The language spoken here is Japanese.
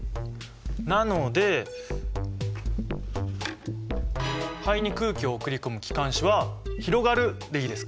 なので肺に空気を送り込む気管支は広がるでいいですか？